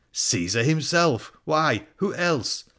' Caesar himself. Why, who else